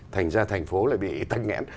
thành ra thành phố lại bị tăng nhẽn